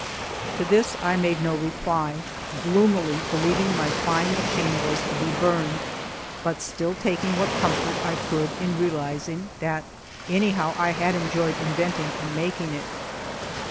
To this I made no reply, gloomily believing my fine machine was to be burned, but still taking what comfort I could in realizing that anyhow I had enjoyed inventing and making it.